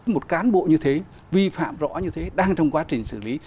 một cán bộ như thế vi phạm rõ như thế đang trong quá trình xử lý